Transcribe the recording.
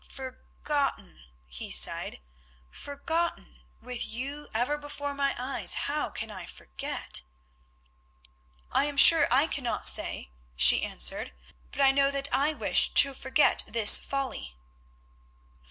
"Forgotten!" he sighed, "forgotten! With you ever before my eyes how can I forget?" "I am sure I cannot say," she answered, "but I know that I wish to forget this folly."